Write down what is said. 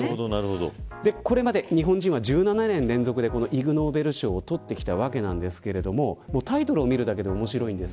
これまで、日本人は１７年連続でイグ・ノーベル賞を取ってきましたがタイトルを見るだけで面白いです。